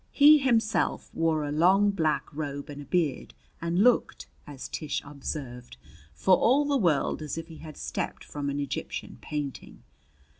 He himself wore a long black robe and a beard, and looked, as Tish observed, for all the world as if he had stepped from an Egyptian painting.